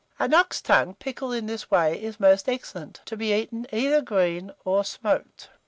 An ox tongue pickled in this way is most excellent, to be eaten either green or smoked.